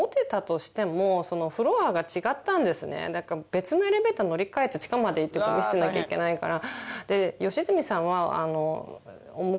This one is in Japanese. だから別のエレベーターに乗り換えて地下まで行ってゴミ捨てなきゃいけないから。